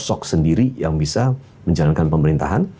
sosok sendiri yang bisa menjalankan pemerintahan